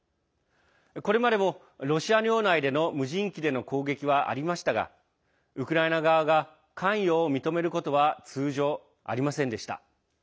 これまでもロシア領内での無人機での攻撃はありましたがウクライナ側が関与を認めることは通常ありませんでした。